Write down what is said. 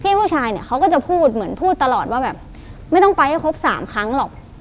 ผู้ชายเนี่ยเขาก็จะพูดเหมือนพูดตลอดว่าแบบไม่ต้องไปให้ครบ๓ครั้งหรอก